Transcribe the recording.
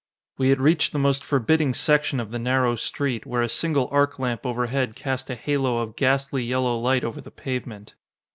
We had reached the most forbidding section of the narrow street, where a single arch lamp overhead cast a halo of ghastly yellow light over the pavement.